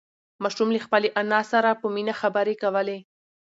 ماشوم له خپلې انا سره په مینه خبرې کولې